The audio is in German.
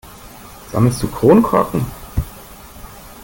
Sammelst du Kronkorken?